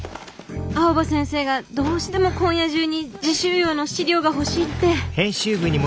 青葉先生がどうしても今夜中に磁州窯の資料が欲しいって。